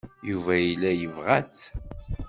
Yuba yella yebɣa-tt.